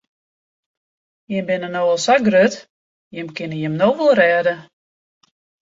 Jimme binne no al sa grut, jimme kinne jim no wol rêde.